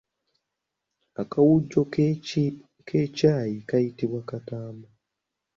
Akawujjo k’ekyayi kayitibwa Katamba.